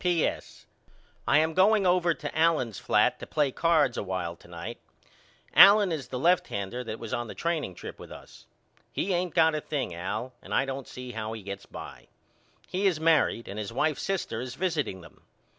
P.S. I am going over to Allen's flat to play cards a while to night. Allen is the left hander that was on the training trip with us. He ain't got a thing, Al, and I don't see how he gets by. He is married and his wife's sister is visiting them.